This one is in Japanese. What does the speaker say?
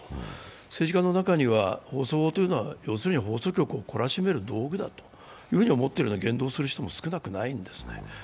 政治家の中には放送法というのは放送局を懲らしめる道具だと言動する人も少なくないんですね。